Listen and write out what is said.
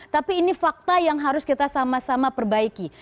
tapi ini fakta yang harus kita sama sama perbaiki